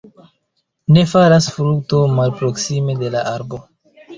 Ne falas frukto malproksime de la arbo.